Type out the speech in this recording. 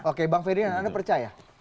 oke bang ferdinand anda percaya